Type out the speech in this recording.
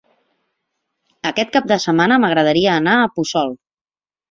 Aquest cap de setmana m'agradaria anar a Puçol.